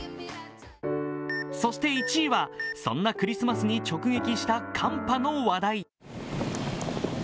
そして１位は、そんなクリスマスに直撃した寒波の話題。